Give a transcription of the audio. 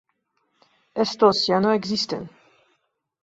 Estos ya no existen.